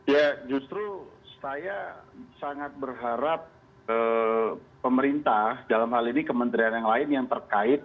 ya justru saya sangat berharap pemerintah dalam hal ini kementerian yang lain yang terkait